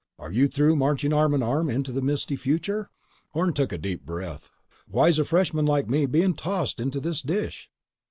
Are you through marching arm in arm into the misty future?" Orne took a deep breath. "Why's a freshman like me being tossed into this dish?"